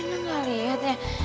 oh inang gak liat ya